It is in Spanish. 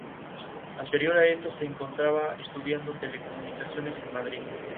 Anterior a esto se encontraba estudiando telecomunicaciones en Madrid.